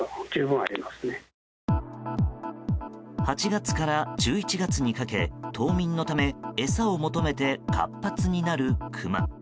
８月から１１月にかけ冬眠のため餌を求めて活発になるクマ。